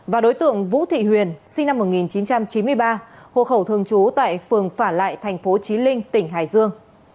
và đối tượng vũ thị huyền sinh năm một nghìn chín trăm chín mươi ba hộ khẩu thường trú tại phường phả lại tp chí linh tỉnh hải dương